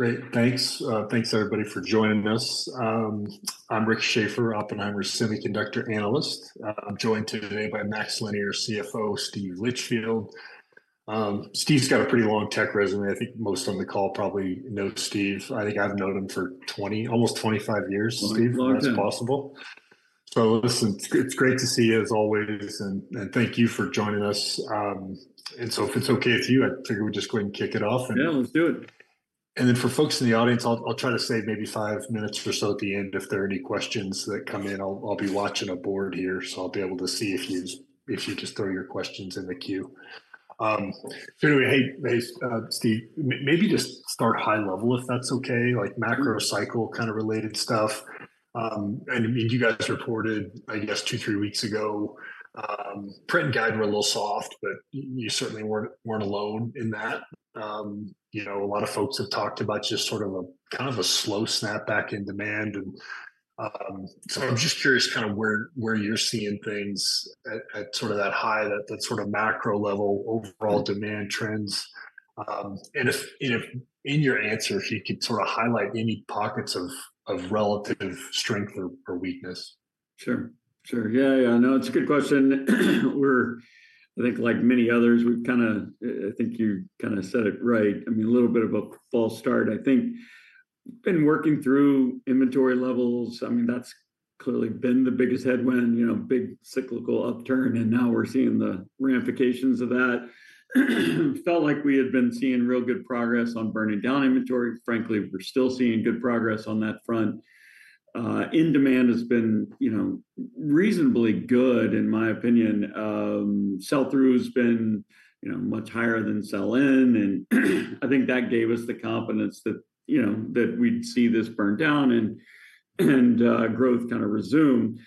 Great, thanks. Thanks, everybody, for joining us. I'm Rick Schafer, Oppenheimer Semiconductor analyst. I'm joined today by MaxLinear CFO, Steve Litchfield. Steve's got a pretty long tech resume. I think most on the call probably know Steve. I think I've known him for 20, almost 25 years- Long time So listen, it's great to see you, as always, and thank you for joining us. And so if it's okay with you, I figure we'll just go ahead and kick it off. Yeah, let's do it. And then for folks in the audience, I'll try to save maybe five minutes or so at the end if there are any questions that come in. I'll be watching a board here, so I'll be able to see if you just throw your questions in the queue. So anyway, hey, Steve, maybe just start high level, if that's okay, like- Mm-hmm... macro cycle, kind of related stuff. I mean, you guys reported, I guess, 2-3 weeks ago, print guide were a little soft, but you certainly weren't alone in that. You know, a lot of folks have talked about just sort of a, kind of a slow snapback in demand. And, so I'm just curious kind of where you're seeing things at, at sort of that high, that sort of macro level, overall demand trends. And if in your answer, if you could sort of highlight any pockets of relative strength or weakness. Sure. Sure. Yeah, yeah, no, it's a good question. We're, I think, like many others, we've kind of, I think you kind of said it right, I mean, a little bit of a false start. I think we've been working through inventory levels. I mean, that's clearly been the biggest headwind, you know, big cyclical upturn, and now we're seeing the ramifications of that. Felt like we had been seeing real good progress on burning down inventory. Frankly, we're still seeing good progress on that front. Demand has been, you know, reasonably good, in my opinion. Sell-through has been, you know, much higher than sell-in, and I think that gave us the confidence that, you know, that we'd see this burn down and growth kind of resume.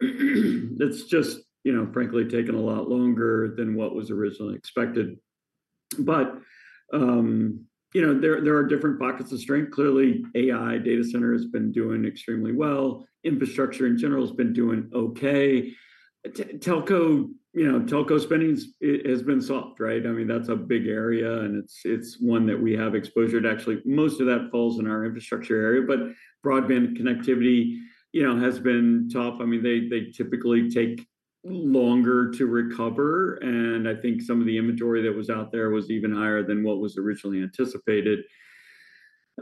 It's just, you know, frankly, taken a lot longer than what was originally expected. But, you know, there, there are different pockets of strength. Clearly, AI data center has been doing extremely well. Infrastructure, in general, has been doing okay. Telco, you know, telco spending has been soft, right? I mean, that's a big area, and it's, it's one that we have exposure to. Actually, most of that falls in our infrastructure area, but broadband connectivity, you know, has been tough. I mean, they, they typically take longer to recover, and I think some of the inventory that was out there was even higher than what was originally anticipated.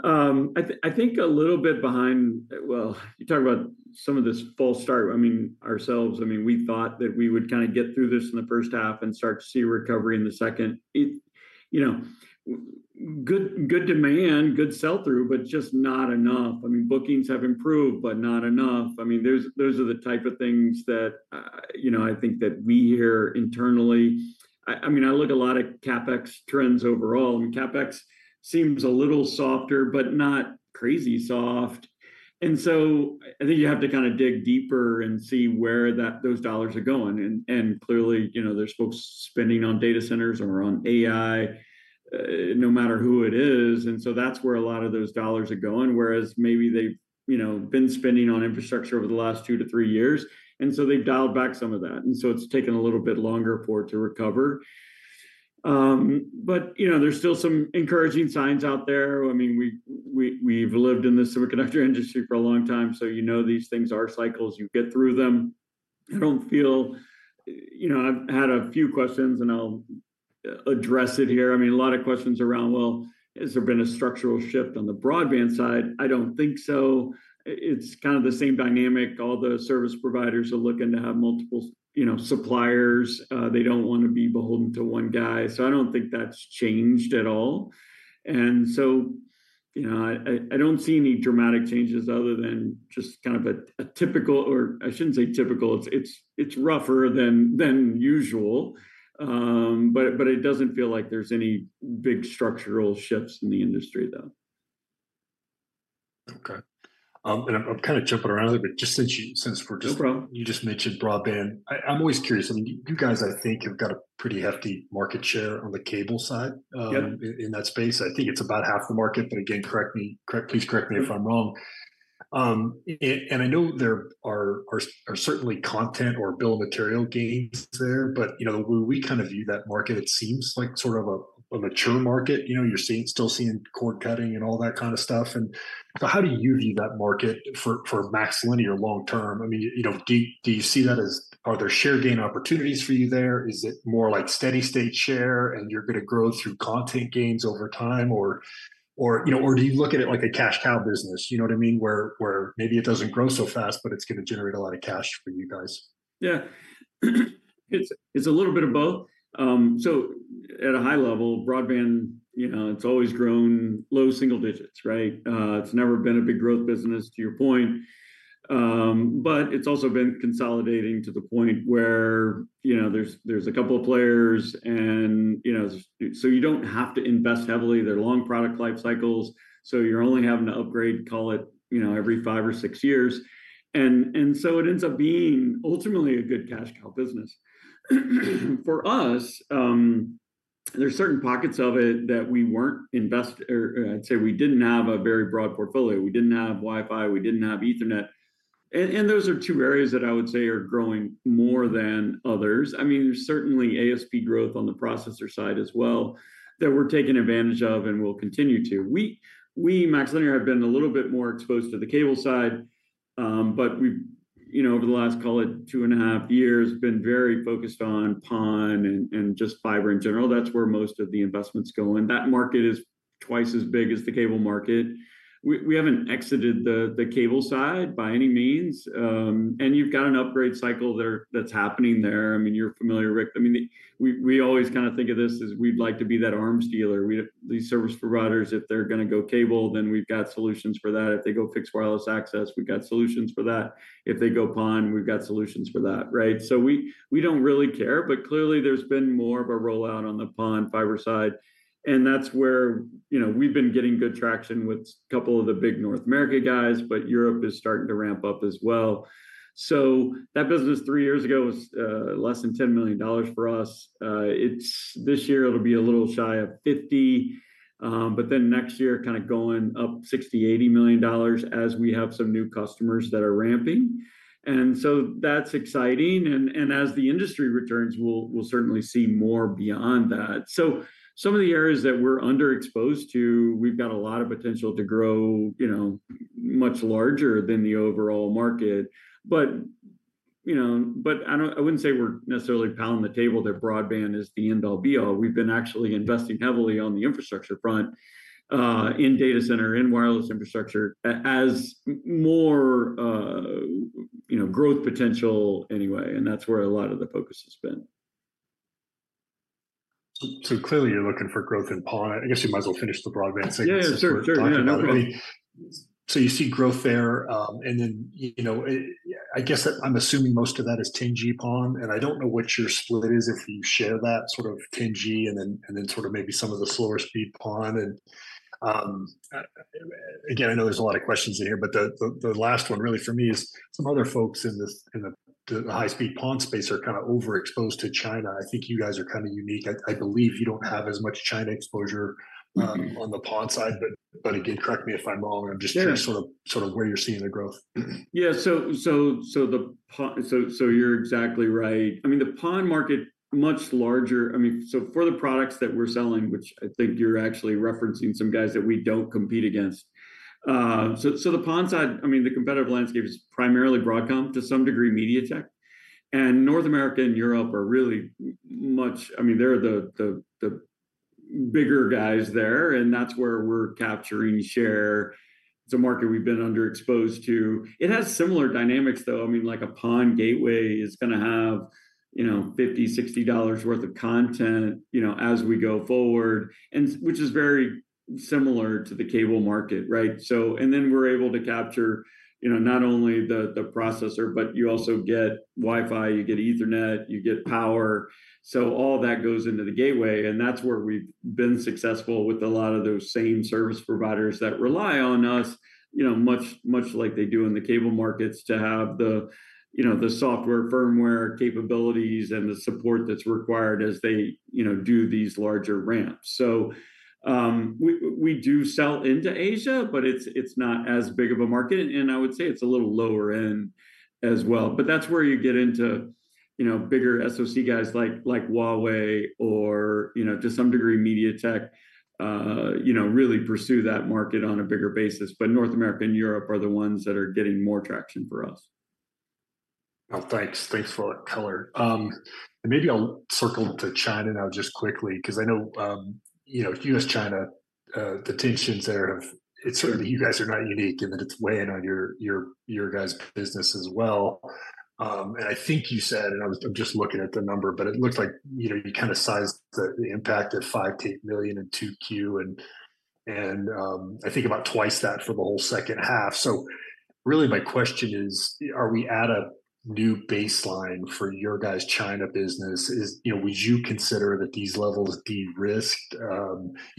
I think a little bit behind. Well, you talk about some of this false start, I mean, ourselves, I mean, we thought that we would kind of get through this in the first half and start to see a recovery in the second. You know, good demand, good sell-through, but just not enough. I mean, bookings have improved, but not enough. I mean, those are the type of things that, you know, I think that we hear internally. I mean, I look at a lot of CapEx trends overall, and CapEx seems a little softer, but not crazy soft. So I think you have to kind of dig deeper and see where those dollars are going. And clearly, you know, there's folks spending on data centers or on AI, no matter who it is, and so that's where a lot of those dollars are going. Whereas maybe they've, you know, been spending on infrastructure over the last 2-3 years, and so they've dialed back some of that, and so it's taken a little bit longer for it to recover. But, you know, there's still some encouraging signs out there. I mean, we've lived in the semiconductor industry for a long time, so you know, these things are cycles. You get through them. I don't feel... You know, I've had a few questions, and I'll address it here. I mean, a lot of questions around, Well, has there been a structural shift on the broadband side? I don't think so. It's kind of the same dynamic. All the service providers are looking to have multiple, you know, suppliers. They don't wanna be beholden to one guy, so I don't think that's changed at all. So, you know, I don't see any dramatic changes other than just kind of a typical, or I shouldn't say typical. It's rougher than usual, but it doesn't feel like there's any big structural shifts in the industry, though. Okay. And I'm kind of jumping around a bit, but just since you- No problem... since you just mentioned broadband, I, I'm always curious. I mean, you guys, I think, have got a pretty hefty market share on the cable side- Yep... in that space. I think it's about half the market, but again, correct me, please correct me if I'm wrong. And I know there are certainly content or bill of material gains there, but, you know, when we kind of view that market, it seems like sort of a mature market. You know, you're still seeing cord-cutting and all that kind of stuff, and so how do you view that market for MaxLinear long term? I mean, you know, do you see that as, are there share gain opportunities for you there? Is it more like steady state share, and you're gonna grow through content gains over time? Or, you know, or do you look at it like a cash cow business? You know what I mean? Where maybe it doesn't grow so fast, but it's gonna generate a lot of cash for you guys. Yeah. It's a little bit of both. So at a high level, broadband, you know, it's always grown low single digits, right? It's never been a big growth business, to your point. But it's also been consolidating to the point where, you know, there's a couple of players, and so you don't have to invest heavily. There are long product life cycles, so you're only having to upgrade, call it, you know, every 5 or 6 years. And so it ends up being ultimately a good cash cow business. For us, there are certain pockets of it that we weren't investing or, I'd say we didn't have a very broad portfolio. We didn't have Wi-Fi, we didn't have Ethernet. And those are 2 areas that I would say are growing more than others. I mean, there's certainly ASP growth on the processor side as well, that we're taking advantage of and will continue to. We, MaxLinear, have been a little bit more exposed to the cable side, but we've, you know, over the last, call it, 2.5 years, been very focused on PON and just fiber in general. That's where most of the investments go, and that market is twice as big as the cable market. We haven't exited the cable side by any means. And you've got an upgrade cycle there that's happening there. I mean, you're familiar, Rick. I mean, we always kind of think of this as we'd like to be that arms dealer. These service providers, if they're gonna go cable, then we've got solutions for that. If they go fixed wireless access, we've got solutions for that. If they go PON, we've got solutions for that, right? So we don't really care, but clearly there's been more of a rollout on the PON, fiber side, and that's where, you know, we've been getting good traction with a couple of the big North America guys, but Europe is starting to ramp up as well. So that business three years ago was less than $10 million for us. It's this year it'll be a little shy of $50 million, but then next year, kind of going up $60-$80 million, as we have some new customers that are ramping. And so that's exciting, and as the industry returns, we'll certainly see more beyond that. So some of the areas that we're underexposed to, we've got a lot of potential to grow, you know, much larger than the overall market. But, you know, but I wouldn't say we're necessarily pounding the table that broadband is the end-all, be-all. We've been actually investing heavily on the infrastructure front, in data center, in wireless infrastructure, as more, you know, growth potential anyway, and that's where a lot of the focus has been. So, clearly you're looking for growth in PON. I guess you might as well finish the broadband segment- Yeah, sure, sure- Since we're talking about it. Yeah, no problem. So you see growth there, and then, you know, I guess that I'm assuming most of that is 10G PON, and I don't know what your split is, if you share that, sort of 10G, and then sort of maybe some of the slower speed PON. And, again, I know there's a lot of questions in here, but the last one really for me is, some other folks in the high-speed PON space are kind of overexposed to China. I think you guys are kind of unique. I believe you don't have as much China exposure- Mm-hmm... on the PON side. But again, correct me if I'm wrong, I'm just- Sure ...curious, sort of, where you're seeing the growth. Yeah, so the PON – so you're exactly right. I mean, the PON market, much larger... I mean, so for the products that we're selling, which I think you're actually referencing some guys that we don't compete against. So the PON side, I mean, the competitive landscape is primarily Broadcom, to some degree MediaTek, and North America and Europe are really much – I mean, they're the bigger guys there, and that's where we're capturing share. It's a market we've been underexposed to. It has similar dynamics, though. I mean, like a PON gateway is gonna have, you know, $50-$60 worth of content, you know, as we go forward, and which is very similar to the cable market, right? So and then we're able to capture, you know, not only the processor, but you also get Wi-Fi, you get Ethernet, you get power. So all that goes into the gateway, and that's where we've been successful with a lot of those same service providers that rely on us, you know, much, much like they do in the cable markets, to have the, you know, the software, firmware capabilities and the support that's required as they, you know, do these larger ramps. So, we do sell into Asia, but it's, it's not as big of a market, and I would say it's a little lower end as well. But that's where you get into, you know, bigger SoC guys like, like Huawei or, you know, to some degree, MediaTek, you know, really pursue that market on a bigger basis. But North America and Europe are the ones that are getting more traction for us. Well, thanks. Thanks for that color. And maybe I'll circle to China now just quickly, 'cause I know, you know, U.S.-China, the tensions there have it certainly you guys are not unique in that it's weighing on your, your, your guys' business as well. And I think you said, and I was- I'm just looking at the number, but it looks like, you know, you kind of sized the, the impact at $5 million-$8 million in 2Q, and, and, I think about twice that for the whole second half. So really, my question is, are we at a new baseline for your guys' China business? Is... You know, would you consider that these levels de-risked?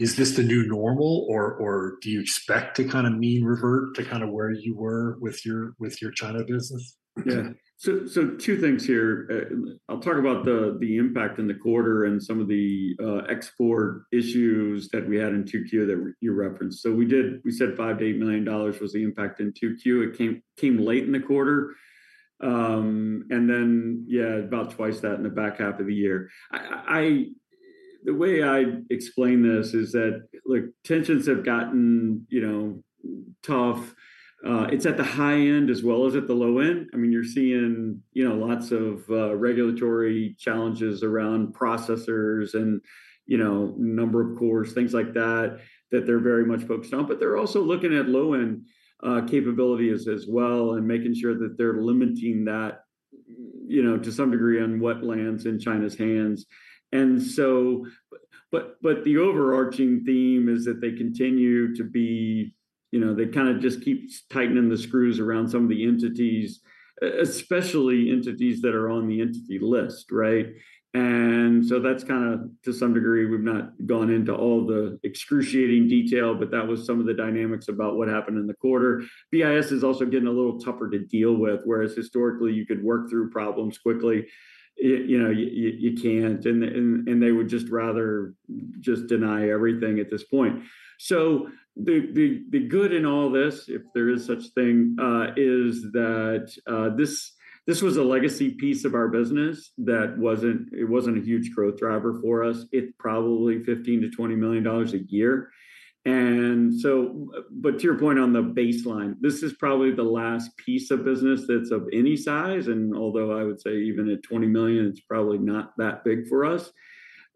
Is this the new normal, or, or do you expect to kind of mean revert to kind of where you were with your, with your China business? Yeah. So two things here. I'll talk about the impact in the quarter and some of the export issues that we had in 2Q that you referenced. So we said $5 million-$8 million was the impact in 2Q. It came late in the quarter. And then, yeah, about twice that in the back half of the year. The way I explain this is that, like, tensions have gotten, you know, tough. It's at the high end as well as at the low end. I mean, you're seeing, you know, lots of regulatory challenges around processors and, you know, number of cores, things like that, that they're very much focused on. But they're also looking at low-end capabilities as well, and making sure that they're limiting that... You know, to some degree, on what lands in China's hands. But the overarching theme is that they continue to be, you know, they kind of just keep tightening the screws around some of the entities, especially entities that are on the Entity List, right? And so that's kind of, to some degree, we've not gone into all the excruciating detail, but that was some of the dynamics about what happened in the quarter. BIS is also getting a little tougher to deal with, whereas historically, you could work through problems quickly. You know, you can't, and they would just rather just deny everything at this point. So the good in all this, if there is such thing, is that this was a legacy piece of our business that wasn't. It wasn't a huge growth driver for us. It probably $15-$20 million a year. And so, but to your point on the baseline, this is probably the last piece of business that's of any size, and although I would say even at $20 million, it's probably not that big for us,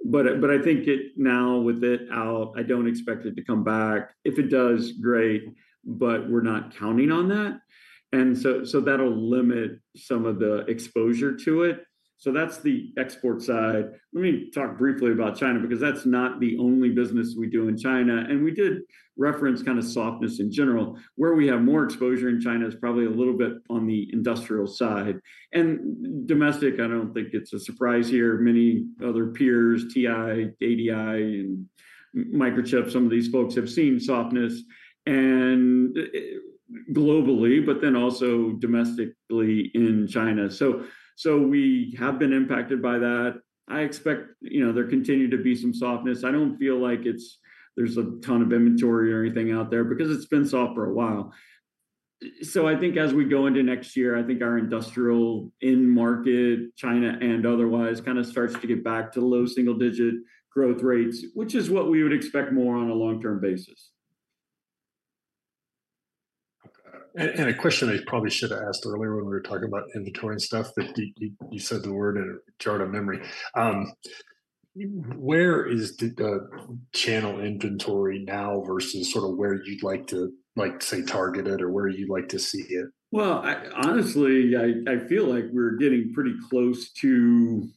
but I think it now, with it out, I don't expect it to come back. If it does, great, but we're not counting on that, and so that'll limit some of the exposure to it. So that's the export side. Let me talk briefly about China, because that's not the only business we do in China, and we did reference kind of softness in general. Where we have more exposure in China is probably a little bit on the industrial side. Domestic, I don't think it's a surprise here, many other peers, TI, ADI, and Microchip, some of these folks have seen softness, and globally, but then also domestically in China. So, so we have been impacted by that. I expect, you know, there continue to be some softness. I don't feel like it's... there's a ton of inventory or anything out there, because it's been soft for a while. So I think as we go into next year, I think our industrial end market, China and otherwise, kind of starts to get back to low double-digit growth rates, which is what we would expect more on a long-term basis. And a question I probably should have asked earlier when we were talking about inventory and stuff, that you said the word and it jarred a memory. Where is the channel inventory now versus sort of where you'd like to, like, say, target it or where you'd like to see it? Well, honestly, I feel like we're getting pretty close to,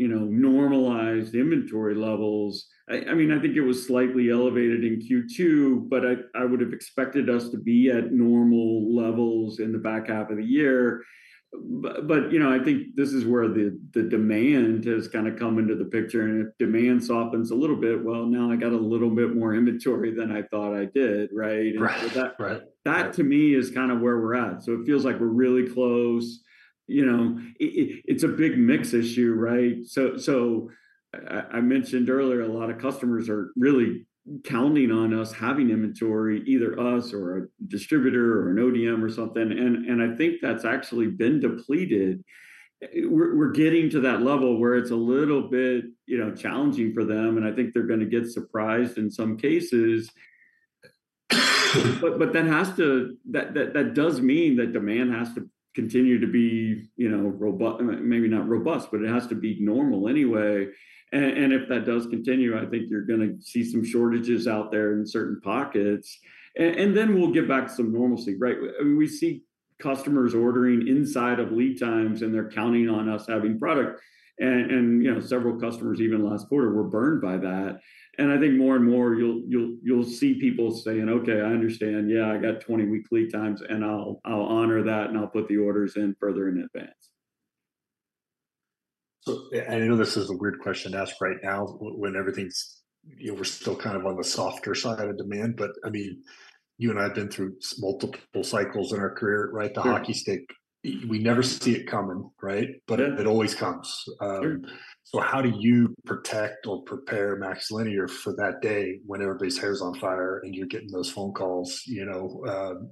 you know, normalized inventory levels. I mean, I think it was slightly elevated in Q2, but I would've expected us to be at normal levels in the back half of the year. But, you know, I think this is where the demand has kind of come into the picture, and if demand softens a little bit, well, now I got a little bit more inventory than I thought I did, right? Right. Right. That, to me, is kind of where we're at, so it feels like we're really close. You know, it's a big mix issue, right? So I mentioned earlier, a lot of customers are really counting on us having inventory, either us or a distributor or an ODM or something, and I think that's actually been depleted. We're getting to that level where it's a little bit, you know, challenging for them, and I think they're gonna get surprised in some cases. But that has to... That does mean that demand has to continue to be, you know, maybe not robust, but it has to be normal anyway. And if that does continue, I think you're gonna see some shortages out there in certain pockets. And then we'll get back to some normalcy, right? I mean, we see customers ordering inside of lead times, and they're counting on us having product, and, you know, several customers even last quarter were burned by that. And I think more and more you'll see people saying, "Okay, I understand. Yeah, I got 20-week lead times, and I'll honor that, and I'll put the orders in further in advance. So I know this is a weird question to ask right now, when everything's, you know, we're still kind of on the softer side of demand, but, I mean, you and I have been through multiple cycles in our career, right? Sure. The hockey stick. We never see it coming, right? Yeah. But it always comes. Sure. So how do you protect or prepare MaxLinear for that day when everybody's hair's on fire and you're getting those phone calls, you know?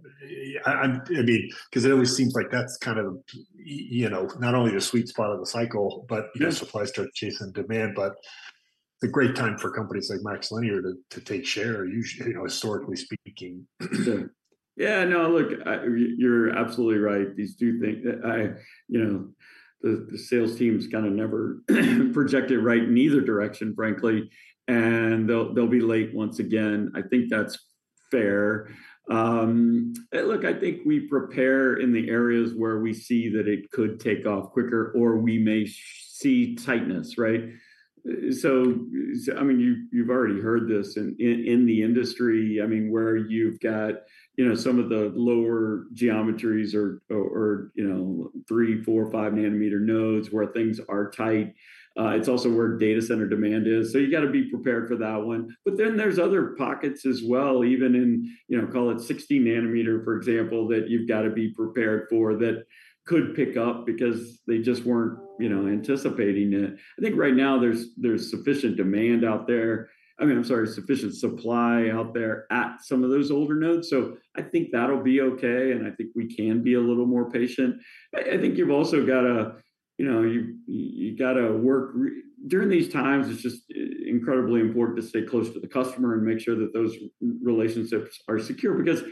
I mean, 'cause it always seems like that's kind of, you know, not only the sweet spot of the cycle, but- Yeah... supplies start chasing demand, but the great time for companies like MaxLinear to take share, usually, you know, historically speaking. Yeah, no, look, you're absolutely right. These two things, I, you know, the sales teams kind of never project it right in neither direction, frankly, and they'll be late once again. I think that's fair. Look, I think we prepare in the areas where we see that it could take off quicker, or we may see tightness, right? So, I mean, you, you've already heard this in the industry, I mean, where you've got, you know, some of the lower geometries or, you know, 3, 4, 5 nanometer nodes where things are tight. It's also where data center demand is, so you've got to be prepared for that one. But then there's other pockets as well, even in, you know, call it 60 nanometer, for example, that you've got to be prepared for, that could pick up because they just weren't, you know, anticipating it. I think right now there's sufficient demand out there. I mean, I'm sorry, sufficient supply out there at some of those older nodes, so I think that'll be okay, and I think we can be a little more patient. I think you've also got to, you know, you gotta work during these times, it's just incredibly important to stay close to the customer and make sure that those relationships are secure because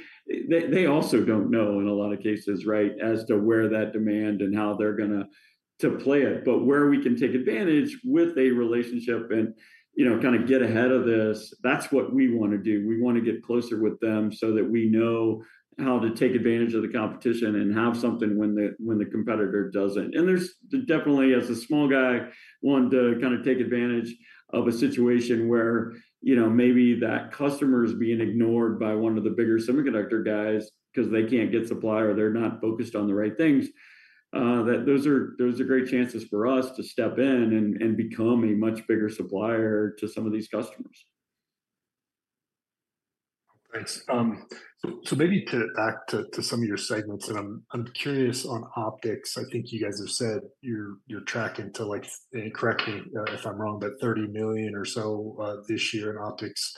they also don't know in a lot of cases, right, as to where that demand and how they're gonna to play it. But where we can take advantage with a relationship and, you know, kind of get ahead of this, that's what we want to do. We want to get closer with them so that we know how to take advantage of the competition and have something when the- when the competitor doesn't. And there's definitely as a small guy, want to kind of take advantage of a situation where, you know, maybe that customer is being ignored by one of the bigger semiconductor guys 'cause they can't get supply or they're not focused on the right things. That, those are great chances for us to step in and become a much bigger supplier to some of these customers.... Thanks. So maybe to back to some of your statements, and I'm curious on optics. I think you guys have said you're tracking to, like, and correct me if I'm wrong, but $30 million or so this year in optics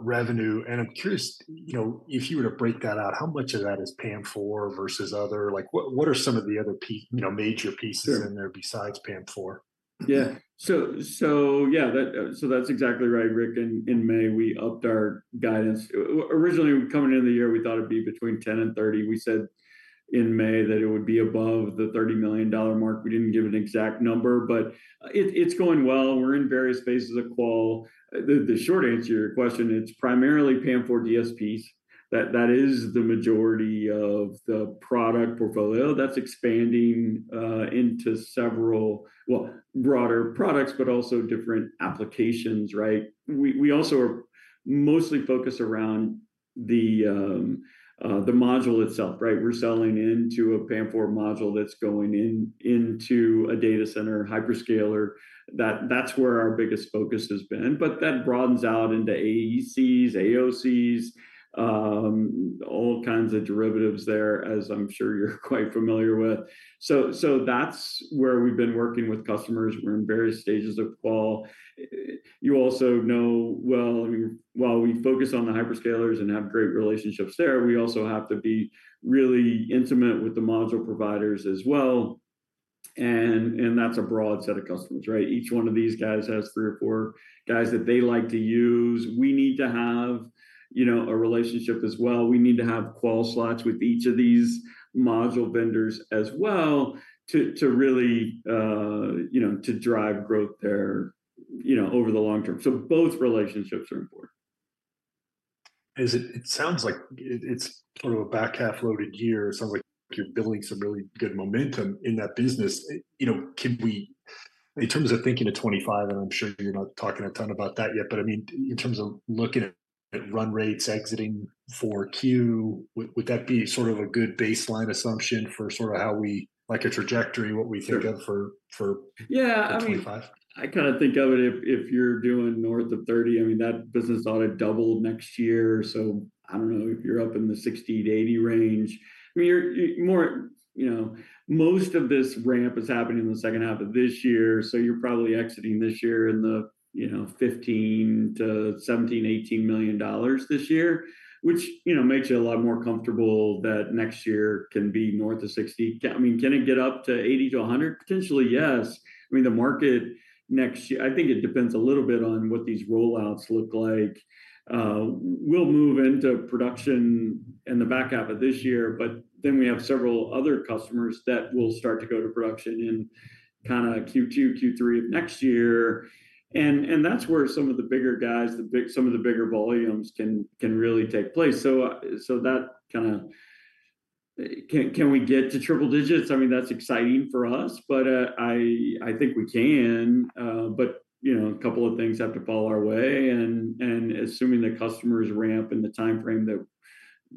revenue, and I'm curious, you know, if you were to break that out, how much of that is PAM4 versus other? Like, what are some of the other p- you know, major pieces- Sure... in there besides PAM4? Yeah. So yeah, that's exactly right, Rick. In May, we upped our guidance. Originally, coming into the year, we thought it'd be between 10 and 30. We said in May that it would be above the $30 million mark. We didn't give an exact number, but it's going well, and we're in various phases of qual. The short answer to your question, it's primarily PAM4 DSPs. That is the majority of the product portfolio. That's expanding into several broader products, but also different applications, right? We also are mostly focused around the module itself, right? We're selling into a PAM4 module that's going into a data center, hyperscaler. That's where our biggest focus has been, but that broadens out into AECs, AOCs, all kinds of derivatives there, as I'm sure you're quite familiar with. So that's where we've been working with customers. We're in various stages of qual. You also know well, I mean, while we focus on the hyperscalers and have great relationships there, we also have to be really intimate with the module providers as well, and that's a broad set of customers, right? Each one of these guys has three or four guys that they like to use. We need to have, you know, a relationship as well. We need to have qual slots with each of these module vendors as well, to really, you know, to drive growth there, you know, over the long term, so both relationships are important. Is it, it sounds like it, it's sort of a back half loaded year. Sounds like you're building some really good momentum in that business. You know, can we... In terms of thinking of 2025, and I'm sure you're not talking a ton about that yet, but, I mean, in terms of looking at run rates exiting 4Q, would, would that be sort of a good baseline assumption for sort of how we—like, a trajectory, what we think of for- Sure... for- Yeah, I mean-... for 2025?... I kind of think of it, if you're doing north of $30 million, I mean, that business ought to double next year. So I don't know, if you're up in the $60-$80 million range, I mean, you're more, you know... Most of this ramp is happening in the second half of this year, so you're probably exiting this year in the, you know, $15-$18 million, which, you know, makes you a lot more comfortable that next year can be north of $60 million. I mean, can it get up to $80-$100 million? Potentially, yes. I mean, the market next year - I think it depends a little bit on what these rollouts look like. We'll move into production in the back half of this year, but then we have several other customers that will start to go to production in kinda Q2, Q3 of next year. And that's where some of the bigger guys, some of the bigger volumes can really take place. So, can we get to triple digits? I mean, that's exciting for us, but I think we can. But you know, a couple of things have to fall our way, and assuming the customers ramp in the timeframe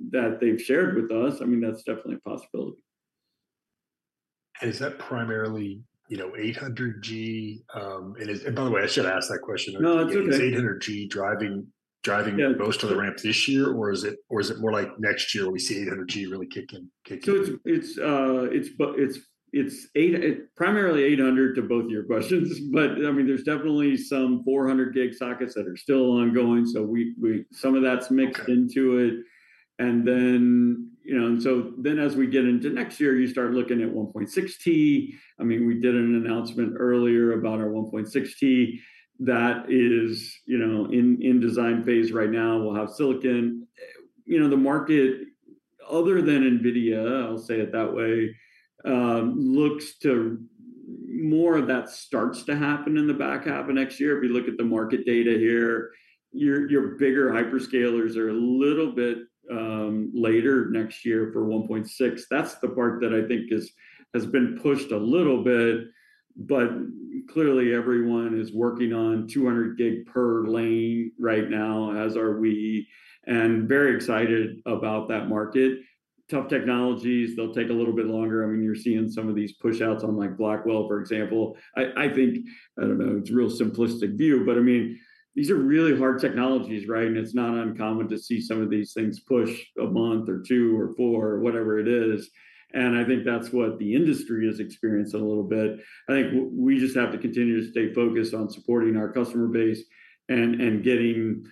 that they've shared with us, I mean, that's definitely a possibility. Is that primarily, you know, 800G, and by the way, I should have asked that question earlier? No, it's okay. Is 800G driving- Yeah... most of the ramp this year, or is it more like next year we see 800G really kicking in? So it's primarily 800 to both of your questions, but I mean, there's definitely some 400 gig sockets that are still ongoing, so some of that's mixed- Okay... into it. And then, you know, and so then as we get into next year, you start looking at 1.6T. I mean, we did an announcement earlier about our 1.6T that is, you know, in design phase right now. We'll have silicon... You know, the market, other than NVIDIA, I'll say it that way, looks to more of that starts to happen in the back half of next year. If you look at the market data here, your bigger hyperscalers are a little bit later next year for 1.6T. That's the part that I think is has been pushed a little bit, but clearly everyone is working on 200G per lane right now, as are we, and very excited about that market. Tough technologies, they'll take a little bit longer. I mean, you're seeing some of these push-outs on, like, Blackwell, for example. I, I think, I don't know, it's a real simplistic view, but, I mean, these are really hard technologies, right? And it's not uncommon to see some of these things push a month or two or four, whatever it is, and I think that's what the industry is experiencing a little bit. I think we just have to continue to stay focused on supporting our customer base and, and getting...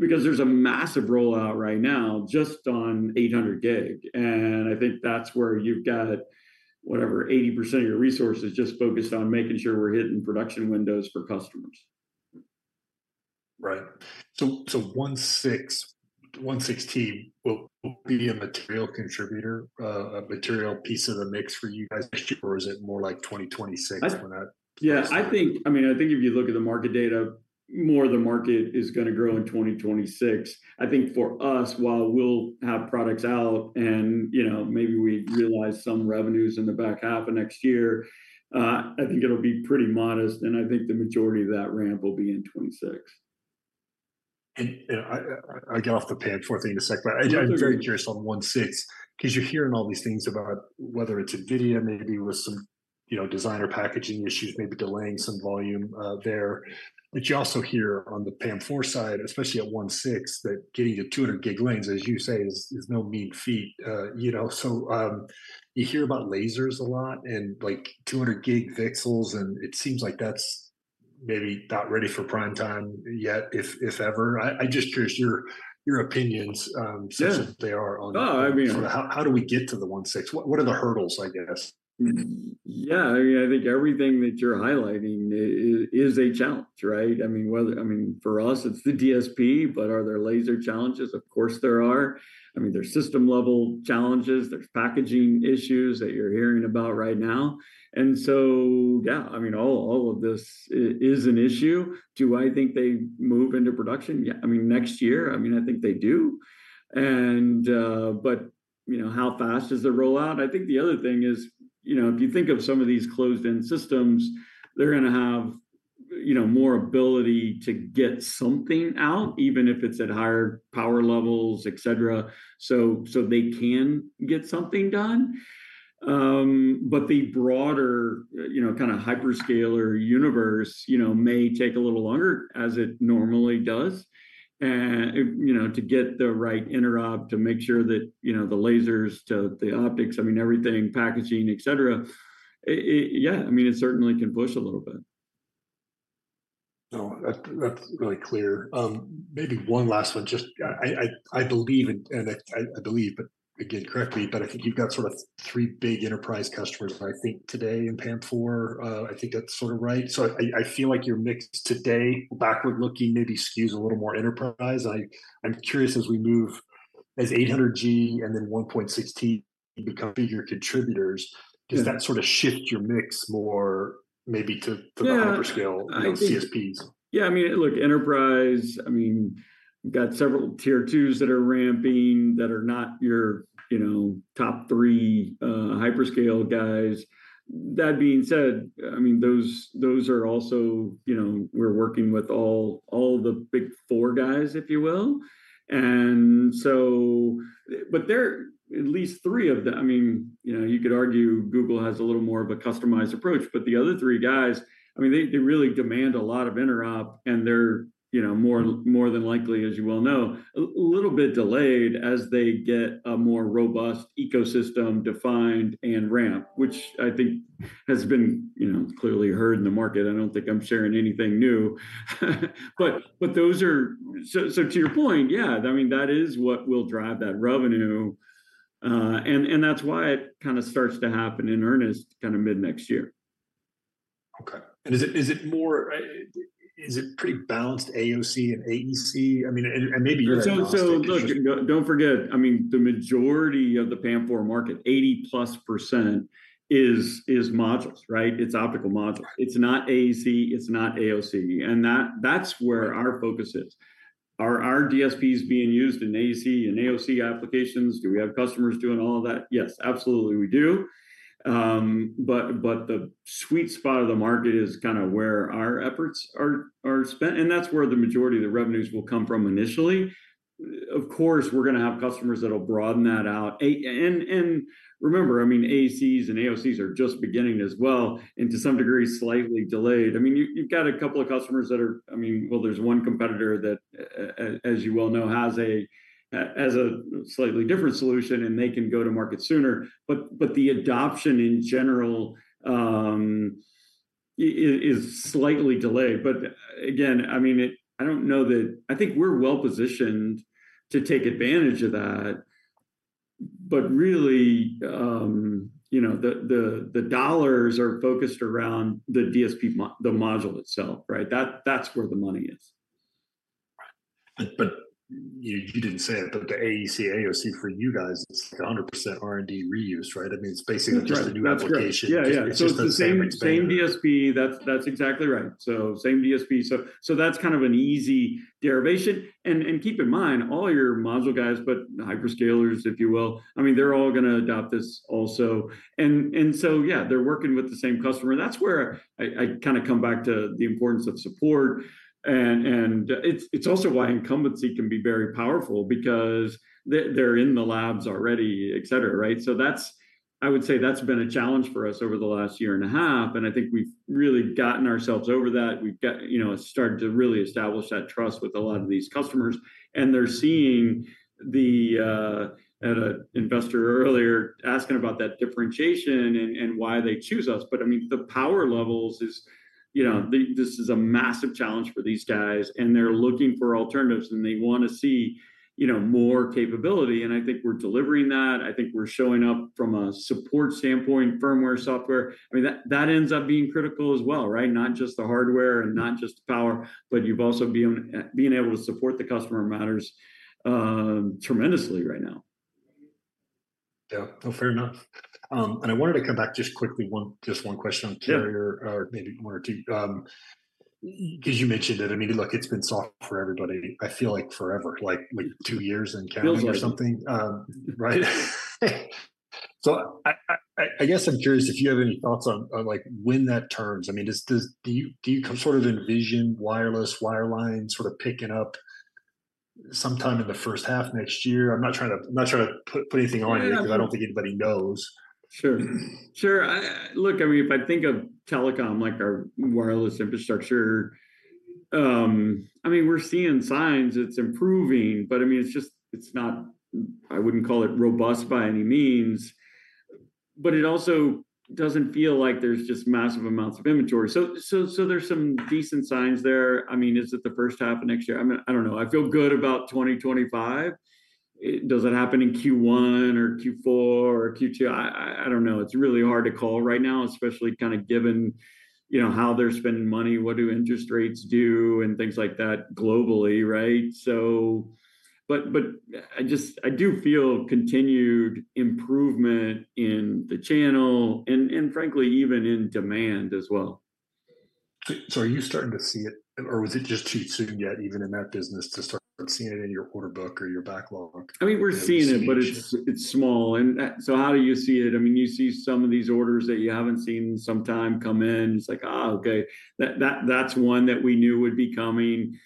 Because there's a massive rollout right now, just on 800 gig, and I think that's where you've got, whatever, 80% of your resources just focused on making sure we're hitting production windows for customers. Right. So 1.6T will be a material contributor, a material piece of the mix for you guys next year, or is it more like 2026 when that comes? Yeah, I think, I mean, I think if you look at the market data, more of the market is gonna grow in 2026. I think for us, while we'll have products out, and, you know, maybe we realize some revenues in the back half of next year, I think it'll be pretty modest, and I think the majority of that ramp will be in 2026. I get off the PAM4 thing in a sec, but I- Sure... I'm very curious on 1.6, 'cause you're hearing all these things about whether it's NVIDIA maybe with some, you know, designer packaging issues maybe delaying some volume there. But you also hear on the PAM4 side, especially at 1.6, that getting to 200 gig lanes, as you say, is no mean feat. You know, so you hear about lasers a lot, and, like, 200 gig VCSELs, and it seems like that's maybe not ready for prime time yet, if ever. I'm just curious your opinions. Yeah since they are on No, I mean- How, how do we get to the 1.6? What, what are the hurdles, I guess? Yeah, I mean, I think everything that you're highlighting is a challenge, right? I mean, for us, it's the DSP, but are there laser challenges? Of course, there are. I mean, there are system-level challenges. There's packaging issues that you're hearing about right now, and so, yeah, I mean, all of this is an issue. Do I think they move into production? Yeah, I mean, next year, I mean, I think they do. And, but, you know, how fast is the rollout? I think the other thing is, you know, if you think of some of these closed-in systems, they're gonna have, you know, more ability to get something out, even if it's at higher power levels, et cetera, so, so they can get something done. But the broader, you know, kinda hyperscaler universe, you know, may take a little longer, as it normally does. And, you know, to get the right interop to make sure that, you know, the lasers to the optics, I mean, everything, packaging, et cetera, yeah, I mean, it certainly can push a little bit. No, that's, that's really clear. Maybe one last one. Just, I believe, but again, correct me, but I think you've got sort of three big enterprise customers, I think, today in PAM4. I think that's sort of right. So I feel like your mix today, backward-looking, maybe skews a little more enterprise. I'm curious as we move as 800G and then 1.6T become bigger contributors- Yeah... does that sort of shift your mix more maybe to- Yeah the hyperscaler- I think... CSPs? Yeah, I mean, look, enterprise. I mean, we've got several Tier 2s that are ramping that are not your, you know, top three hyperscale guys. That being said, I mean, those, those are also... You know, we're working with all, all the big four guys, if you will, and so, but they're at least three of them... I mean, you know, you could argue Google has a little more of a customized approach, but the other three guys, I mean, they, they really demand a lot of interop, and they're, you know, more, more than likely, as you well know, a little bit delayed as they get a more robust ecosystem defined and ramp, which I think has been, you know, clearly heard in the market. I don't think I'm sharing anything new. But, but those are... So, to your point, yeah, I mean, that is what will drive that revenue. And that's why it kinda starts to happen in earnest kinda mid-next year. Okay. And is it, is it more, is it pretty balanced AOC and AEC, I mean, and, and maybe you're agnostic- So, look, don't forget, I mean, the majority of the PAM4 market, 80%+ is modules, right? It's optical modules. Right. It's not AEC, it's not AOC, and that, that's where our focus is. Are our DSPs being used in AEC and AOC applications? Do we have customers doing all of that? Yes, absolutely, we do. But, but the sweet spot of the market is kinda where our efforts are, are spent, and that's where the majority of the revenues will come from initially. Of course, we're gonna have customers that'll broaden that out. And, and remember, I mean, AECs and AOCs are just beginning as well, and to some degree, slightly delayed. I mean, you, you've got a couple of customers that are. I mean, well, there's one competitor that, as you well know, has a, has a slightly different solution, and they can go to market sooner. But, but the adoption in general, is slightly delayed. But again, I mean, I don't know that... I think we're well-positioned to take advantage of that, but really, you know, the dollars are focused around the DSP mo- the module itself, right? That, that's where the money is. Right. But you didn't say it, but the AEC, AOC for you guys is 100% R&D reuse, right? I mean, it's basically- Right... just a new application. That's right. Yeah, yeah. It's just the same expansion. So it's the same, same DSP. That's exactly right, so same DSP. So that's kind of an easy derivation. And keep in mind, all your module guys, but hyperscalers, if you will, I mean, they're all gonna adopt this also. And so, yeah, they're working with the same customer, and that's where I kinda come back to the importance of support. And it's also why incumbency can be very powerful because they're in the labs already, et cetera, right? So that's. I would say, that's been a challenge for us over the last year and a half, and I think we've really gotten ourselves over that. We've got, you know, started to really establish that trust with a lot of these customers, and they're seeing the... Had an investor earlier asking about that differentiation and why they choose us. But, I mean, the power levels is, you know, this is a massive challenge for these guys, and they're looking for alternatives, and they wanna see, you know, more capability, and I think we're delivering that. I think we're showing up from a support standpoint, firmware, software. I mean, that, that ends up being critical as well, right? Not just the hardware and not just the power, but you've also be being able to support the customer matters tremendously right now. Yeah, no, fair enough. And I wanted to come back just quickly, just one question on- Yeah... carrier or maybe one or two. 'Cause you mentioned that, I mean, look, it's been soft for everybody, I feel like forever, like, what, two years and counting- Feels like... or something. Right? So I guess I'm curious if you have any thoughts on, like, when that turns. I mean, does... Do you sort of envision wireless, wireline sort of picking up... sometime in the first half next year? I'm not trying to put anything on you- Yeah 'Cause I don't think anybody knows. Sure. Sure, I look, I mean, if I think of telecom, like our wireless infrastructure, I mean, we're seeing signs it's improving, but I mean, it's just—it's not. I wouldn't call it robust by any means. But it also doesn't feel like there's just massive amounts of inventory. So, there's some decent signs there. I mean, is it the first half of next year? I mean, I don't know. I feel good about 2025. It—does it happen in Q1 or Q4 or Q2? I don't know. It's really hard to call right now, especially kind of given, you know, how they're spending money, what do interest rates do, and things like that globally, right? So but, I just—I do feel continued improvement in the channel, and frankly, even in demand as well. So, are you starting to see it, or was it just too soon yet, even in that business, to start seeing it in your order book or your backlog? I mean, we're seeing it- At this stage.... but it's small. So how do you see it? I mean, you see some of these orders that you haven't seen in some time come in, and it's like, "Ah, okay, that that's one that we knew would be coming."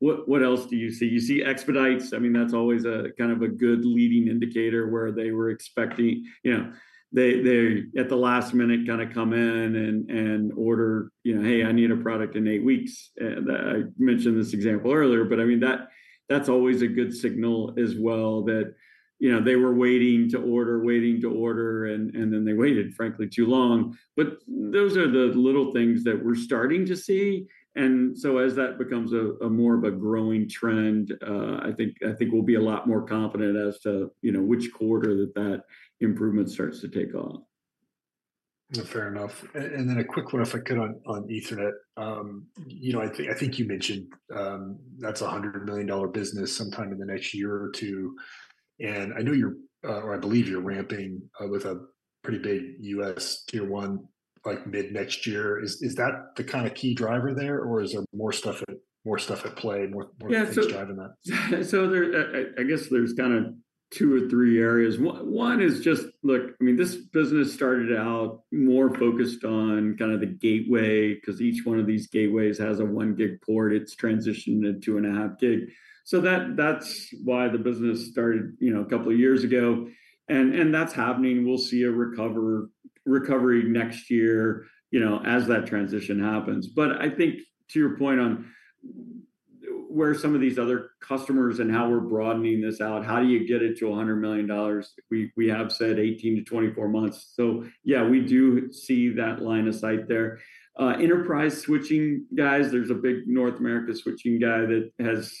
What else do you see? You see expedites. I mean, that's always a kind of a good leading indicator where they were expecting... You know, they at the last minute kind of come in and order, you know, "Hey, I need a product in eight weeks." That I mentioned this example earlier, but I mean, that's always a good signal as well that, you know, they were waiting to order, waiting to order, and then they waited, frankly, too long. But those are the little things that we're starting to see. And so as that becomes a more of a growing trend, I think we'll be a lot more confident as to, you know, which quarter that improvement starts to take off. Fair enough. And then a quick one, if I could, on Ethernet. You know, I think, I think you mentioned, that's a $100 million business sometime in the next year or two, and I know you're, or I believe you're ramping, with a pretty big U.S. Tier 1, like mid-next year. Is that the kind of key driver there, or is there more stuff at play, more- Yeah, so- More things driving that? So there, I guess there's kind of 2 or 3 areas. One is just, look, I mean, this business started out more focused on kind of the gateway, 'cause each one of these gateways has a 1 gig port. It's transitioning to 2.5 gig. So that, that's why the business started, you know, a couple of years ago, and that's happening. We'll see a recovery next year, you know, as that transition happens. But I think, to your point on where some of these other customers and how we're broadening this out, how do you get it to $100 million? We have said 18-24 months. So yeah, we do see that line of sight there. Enterprise switching guys, there's a big North America switching guy that has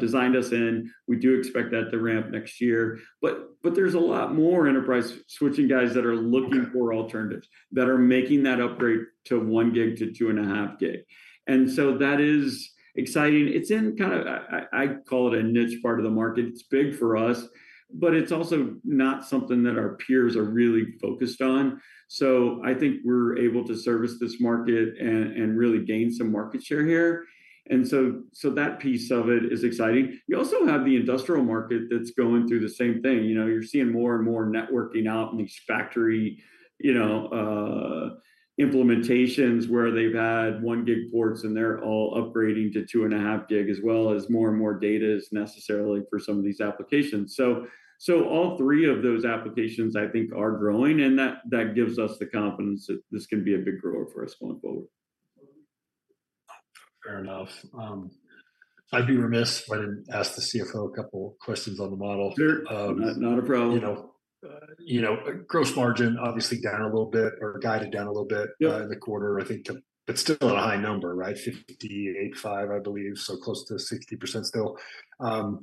designed us in. We do expect that to ramp next year, but there's a lot more enterprise switching guys that are looking- Okay... for alternatives, that are making that upgrade to 1 gig to 2.5 gig, and so that is exciting. It's in kind of a, I, I call it a niche part of the market. It's big for us, but it's also not something that our peers are really focused on. So I think we're able to service this market and, and really gain some market share here, and so, so that piece of it is exciting. You also have the industrial market that's going through the same thing. You know, you're seeing more and more networking out in these factory, you know, implementations, where they've had 1 gig ports, and they're all upgrading to 2.5 gig, as well as more and more data is necessarily for some of these applications. So all three of those applications, I think, are growing, and that gives us the confidence that this can be a big grower for us going forward. Fair enough. I'd be remiss if I didn't ask the CFO a couple questions on the model. Sure. Um- Not, not a problem. You know, you know, gross margin obviously down a little bit or guided down a little bit- Yep... in the quarter, I think, but still at a high number, right? 58.5%, I believe, so close to 60% still.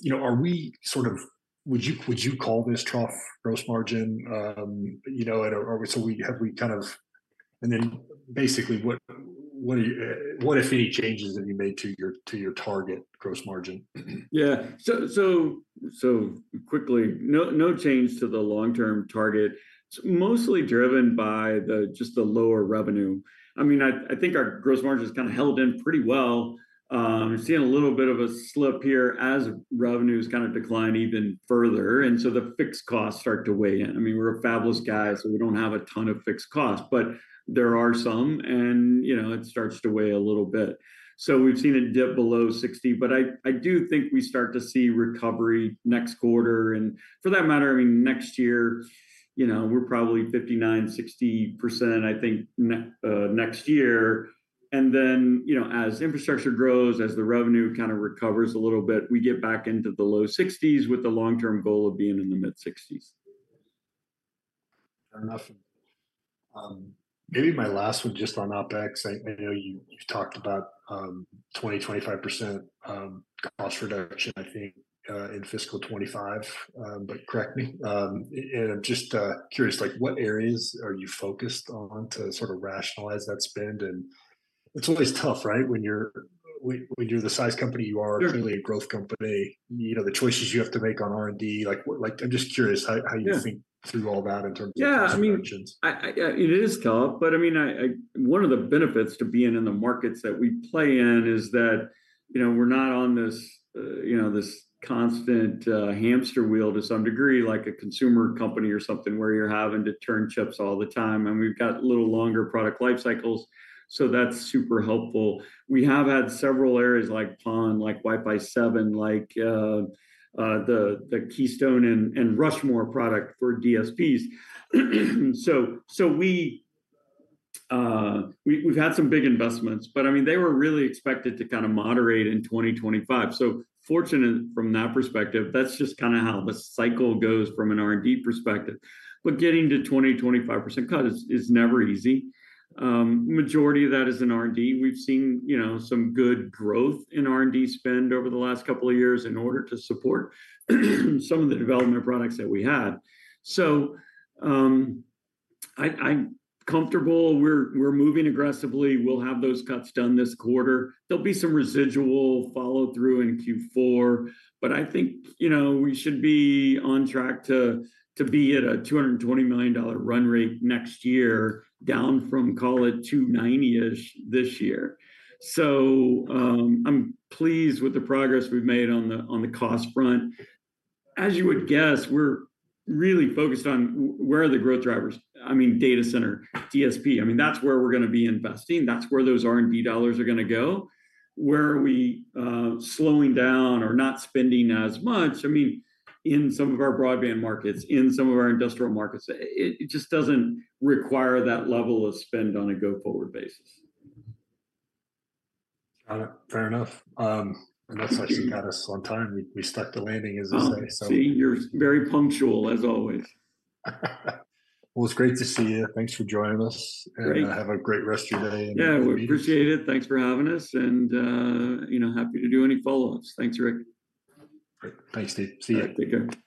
You know, are we sort of... Would you call this trough gross margin? You know, and, or so we, have we kind of... And then basically, what, if any, changes have you made to your, to your target gross margin? Yeah. So quickly, no change to the long-term target. It's mostly driven by the, just the lower revenue. I mean, I think our gross margin has kind of held in pretty well. We're seeing a little bit of a slip here as revenues kind of decline even further, and so the fixed costs start to weigh in. I mean, we're a fabless guy, so we don't have a ton of fixed costs, but there are some, and, you know, it starts to weigh a little bit. So we've seen it dip below 60, but I do think we start to see recovery next quarter, and for that matter, I mean, next year, you know, we're probably 59%-60%, I think, next year. And then, you know, as infrastructure grows, as the revenue kind of recovers a little bit, we get back into the low sixties with the long-term goal of being in the mid-sixties. Fair enough. Maybe my last one, just on OpEx. I know you talked about 25% cost reduction, I think, in fiscal 2025, but correct me, and I'm just curious, like, what areas are you focused on to sort of rationalize that spend? And it's always tough, right? When you're the size company you are- Sure... really a growth company, you know, the choices you have to make on R&D, like, I'm just curious how- Yeah... how you think through all that in terms of- Yeah -functions. It is tough, but I mean, one of the benefits to being in the markets that we play in is that, you know, we're not on this, you know, this constant hamster wheel to some degree, like a consumer company or something, where you're having to turn chips all the time, and we've got a little longer product life cycles, so that's super helpful. We have had several areas like PON, like Wi-Fi 7, like the Keystone and Rushmore product for DSPs. So we've had some big investments, but, I mean, they were really expected to kind of moderate in 2025. So fortunate from that perspective, that's just kind of how the cycle goes from an R&D perspective. But getting to 25% cut is never easy. Majority of that is in R&D. We've seen, you know, some good growth in R&D spend over the last couple of years in order to support some of the development products that we had. So, I'm comfortable. We're moving aggressively. We'll have those cuts done this quarter. There'll be some residual follow-through in Q4, but I think, you know, we should be on track to be at a $220 million run rate next year, down from, call it, $290-ish this year. So, I'm pleased with the progress we've made on the cost front. As you would guess, we're really focused on where are the growth drivers? I mean, data center, DSP, I mean, that's where we're gonna be investing. That's where those R&D dollars are gonna go. Where are we slowing down or not spending as much? I mean, in some of our broadband markets, in some of our industrial markets. It just doesn't require that level of spend on a go-forward basis. Got it. Fair enough. That's actually got us on time. We stuck the landing, as they say, so- See, you're very punctual, as always. Well, it's great to see you. Thanks for joining us. Great... and have a great rest of your day. Yeah, we appreciate it. Thanks for having us, and, you know, happy to do any follow-ups. Thanks, Rick. Great. Thanks, Steve. See you. All right. Take care.